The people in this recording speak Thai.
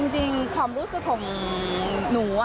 ความรู้สึกของหนู